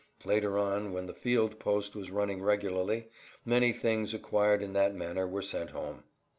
Later on, when the field post was running regularly, many things acquired in that manner were sent home.